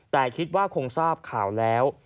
แต่คิดว่าคงทราบข่าวแล้ว